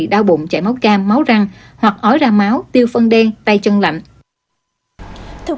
đau bụng chảy máu cam máu răng hoặc ói ra máu tiêu phân đen tay chân lạnh